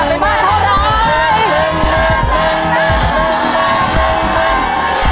ไม่ออกไปเลย